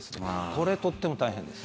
これ、とっても大変です。